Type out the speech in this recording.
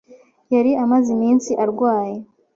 yari amaze iminsi arwaye